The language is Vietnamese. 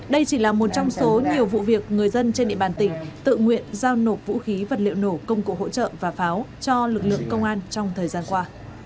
đây chỉ là một trong số nhiều vụ việc người dân trên địa bàn tỉnh tự nguyện giao nộp vũ khí vật liệu nổ công cụ hỗ trợ và pháo cho lực lượng công an trong thời gian qua